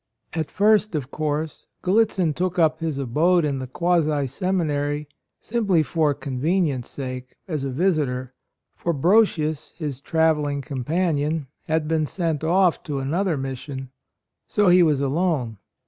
At first, of course, Gallitzin took up his abode in the quasi seminary simply for conveni ence' sake — as a visitor, — for Brosius, his travelling com panion, had been sent off to another mission ; so he was alone.